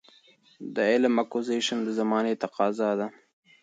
د علم Acquisition د زمانې تقاضا ده.